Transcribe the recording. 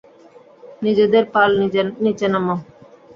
নিজেদের পাল নীচে নামাও!